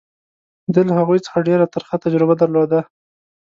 ده له هغوی څخه ډېره ترخه تجربه درلوده.